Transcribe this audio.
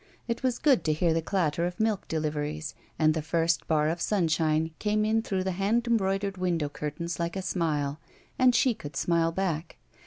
It was good to hear the clatter of milk deliveries, and the first bar of sunshine came in through the hand embroidered window curtains like a smile, and she could smile back.